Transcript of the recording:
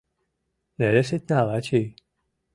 — Нелеш ит нал, ачий...